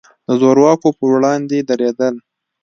د زور واکو پر وړاندې درېدل.